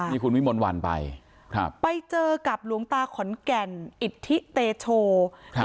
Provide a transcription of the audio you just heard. นี่คุณวิมลวันไปครับไปเจอกับหลวงตาขอนแก่นอิทธิเตโชครับ